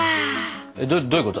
えっどういうこと？